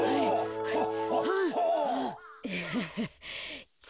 あっ。